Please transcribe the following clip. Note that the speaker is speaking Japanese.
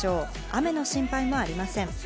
雨の心配もありません。